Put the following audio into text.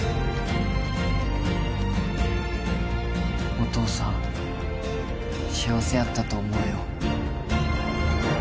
お父さん幸せやったと思うよ